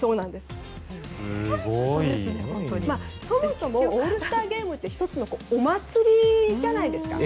すごい。そもそもオールスターゲームって１つのお祭りじゃないですか。